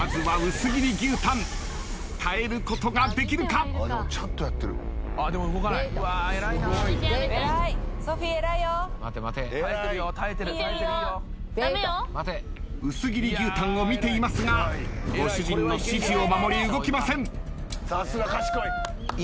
薄切り牛タンを見ていますがご主人の指示を守り動きません。